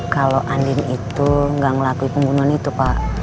kalau andin itu nggak ngelakui pembunuhan itu pak